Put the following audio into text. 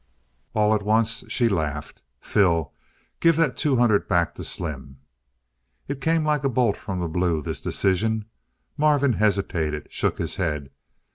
All at once she laughed. "Phil, give that two hundred back to Slim!" It came like a bolt from the blue, this decision. Marvin hesitated, shook his head.